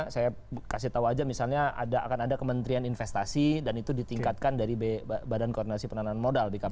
saya kasih tahu aja misalnya akan ada kementerian investasi dan itu ditingkatkan dari bkpm